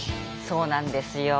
そうなんですよ。